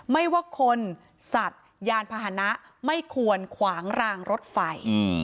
ไม่ว่าคนสัตว์ยานพาหนะไม่ควรขวางรางรถไฟ